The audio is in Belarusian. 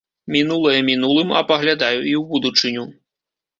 Мінулае мінулым, а паглядаю і ў будучыню.